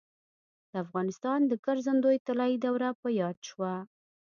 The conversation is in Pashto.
د افغانستان د ګرځندوی طلایي دوره په یاد شوه.